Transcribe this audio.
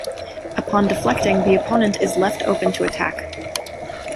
Upon deflecting, the opponent is left open to attack.